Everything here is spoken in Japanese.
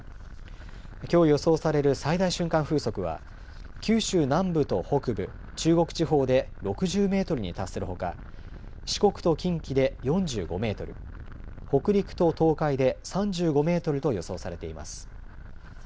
きょう予想される最大瞬間風速は、九州南部と北部、中国地方で６０メートルに達するほか、四国と近畿で４５メートル、北陸と東海で３５メートルと予想されています。